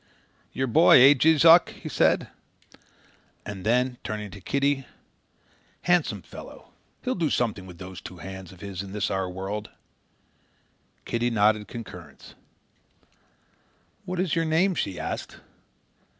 "Your boy, eh, Jees Uck?" he said. And then turning to Kitty: "Handsome fellow! He'll do something with those two hands of his in this our world." Kitty nodded concurrence. "What is your name?" she asked.